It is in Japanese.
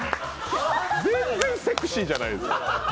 全然セクシーじゃないですね。